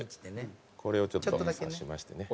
これをちょっと刺しましてね。